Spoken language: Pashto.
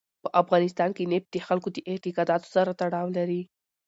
په افغانستان کې نفت د خلکو د اعتقاداتو سره تړاو لري.